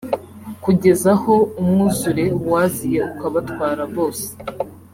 kugeza aho umwuzure waziye ukabatwara bose